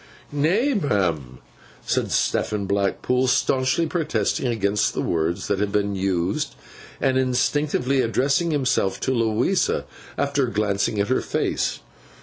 'Nay, ma'am,' said Stephen Blackpool, staunchly protesting against the words that had been used, and instinctively addressing himself to Louisa, after glancing at her face.